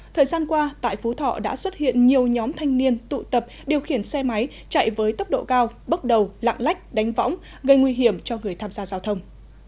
thời gian qua tại phú thọ đã xuất hiện nhiều nhóm thanh niên tụ tập điều khiển xe máy chạy với tốc độ cao bốc đầu lạng lách đánh võng gây nguy hiểm cho người tham gia giao thông